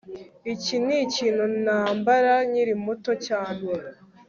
iki nikintu nambara nkiri muto cyane